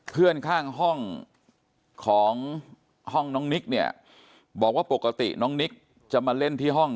เพื่อนข้างห้องของห้องน้องนิกเนี่ยบอกว่าปกติน้องนิกจะมาเล่นที่ห้อง